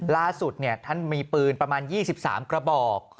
ล่าสุดท่านมีปืนประมาณ๒๓กระบอก